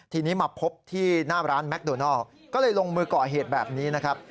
ทีนี้มาพบที่หน้าร้านแมคโดนัลก็เลยลงมือก่อเหตุแบบนี้นะครับ